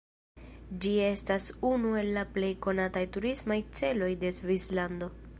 Ĝi estas unu el la plej konataj turismaj celoj de Svislando.